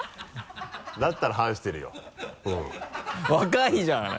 だったら反してるようん。若いじゃない！